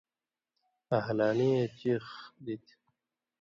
آں ہلالِیں اے چِیغ دِتیۡ،